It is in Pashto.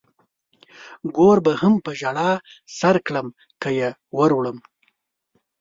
ګور به هم په ژړا سر کړم که يې ور وړم.